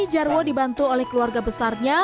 jarwo dibantu oleh keluarga besarnya